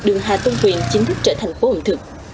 đường hà tôn quyền chính thức trở thành phố ẩm thực